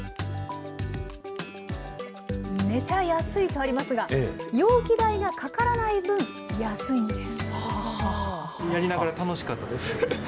めちゃ安いとありますが、容器代がかからない分、安いんです。